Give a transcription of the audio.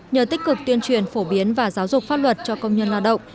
nhờ tích cực tuyên truyền phổ biến và giáo dục pháp luật cho công nhân lao động